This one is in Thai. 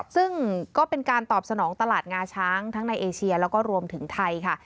ซึ่งก็เป็นการตอบสนองตลาดงาช้างทั้งในเอเชียแล้วก็รวมถึงไทยค่ะ